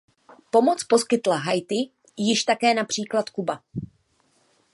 Pomoc poskytla Haiti již také například Kuba.